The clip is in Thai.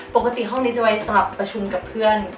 ปกติห้องนี้จะไปสลับประชุมกับเพื่อน